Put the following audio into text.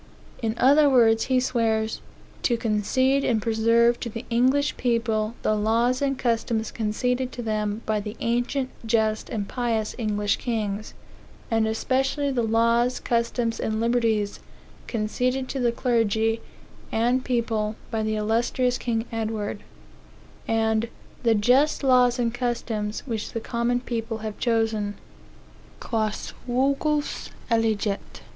In other words, he swears "to concede and preserve to the English people the laws and customs conceded to them by the ancient, just, and pious English kings, and especially the laws, customs, and liberties conceded to the clergy and people by the illustrious king Edward;" and "the just laws and customs which the common people have chosen, (quas vulgus elegit)."